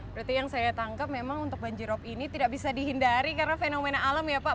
berarti yang saya tangkap memang untuk banjirop ini tidak bisa dihindari karena fenomena alam ya pak